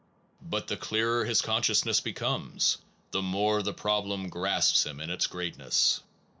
. but, the clearer his consciousness becomes the more the problem grasps him in its greatness.